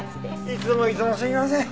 いつもいつもすいません。